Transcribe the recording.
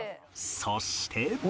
そして